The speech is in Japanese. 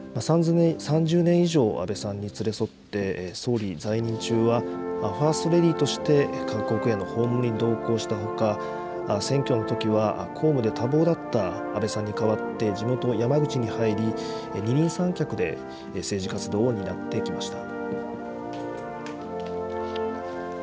３０年以上、安倍さんに連れ添って、総理在任中はファーストレディとして、各国への訪問に同行したほか、選挙のときは、公務で多忙だった安倍さんに代わって、地元、山口に入り、二人三脚で政治活動を担ってきました。